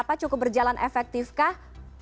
apa cukup berjalan efektif kah